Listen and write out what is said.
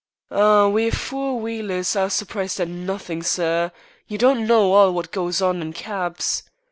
"We four wheelers are surprised at nothink, sir. You don't know all wot goes on in kebs.